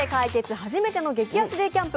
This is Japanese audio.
初めての激安デイキャンプ。